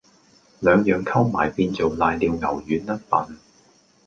兩樣溝埋變做攋尿牛丸吖笨